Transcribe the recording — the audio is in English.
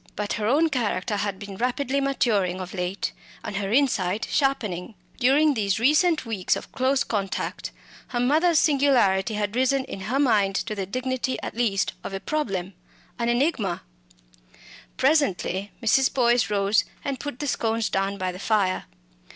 But her own character had been rapidly maturing of late, and her insight sharpening. During these recent weeks of close contact, her mother's singularity had risen in her mind to the dignity at least of a problem, an enigma. Presently Mrs. Boyce rose and put the scones down by the fire.